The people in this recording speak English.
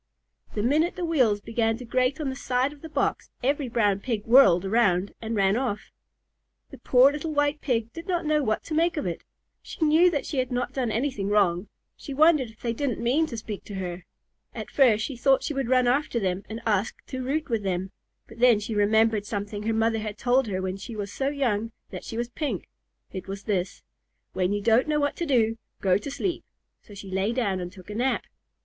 The minute the wheels began to grate on the side of the box, every Brown Pig whirled around and ran off. The poor little White Pig did not know what to make of it. She knew that she had not done anything wrong. She wondered if they didn't mean to speak to her. [Illustration: EVERY BROWN PIG RAN OFF.] At first she thought she would run after them and ask to root with them, but then she remembered something her mother had told her when she was so young that she was pink. It was this: "When you don't know what to do, go to sleep." So she lay down and took a nap.